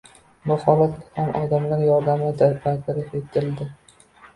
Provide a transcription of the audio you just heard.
Bu holat ham odamlar yordamida bartaraf etildi.